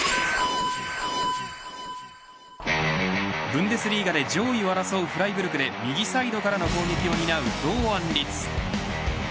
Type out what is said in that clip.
ブンデスリーガで上位を争うフライブルクで右サイドからの攻撃を担う堂安律。